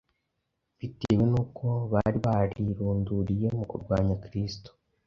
Bitewe nuko bari barirunduriye mu kurwanya Kristo,